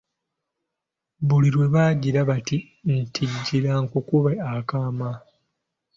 Buli lwebagira bati, nti, "gira nkukube akaama."